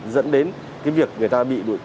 dẫn đến cái việc người ta bị tội phạm